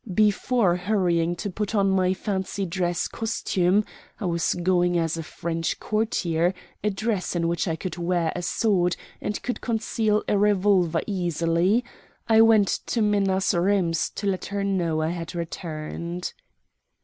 Before hurrying to put on my fancy dress costume I was going as a French courtier, a dress in which I could wear a sword and could conceal a revolver easily I went to Minna's rooms to let her know I had returned.